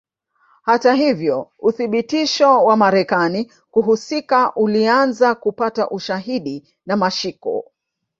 Hata hivyo uthibitisho wa Marekani kuhusika ulianza kupata ushahidi na mashiko